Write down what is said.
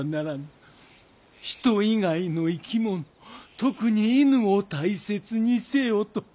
人以外の生き物特に犬を大切にせよと！